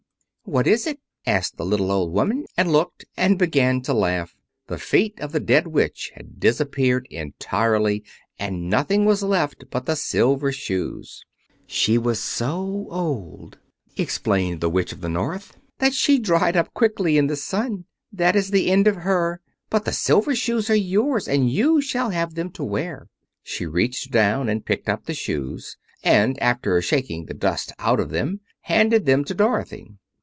"What is it?" asked the little old woman, and looked, and began to laugh. The feet of the dead Witch had disappeared entirely, and nothing was left but the silver shoes. "She was so old," explained the Witch of the North, "that she dried up quickly in the sun. That is the end of her. But the silver shoes are yours, and you shall have them to wear." She reached down and picked up the shoes, and after shaking the dust out of them handed them to Dorothy.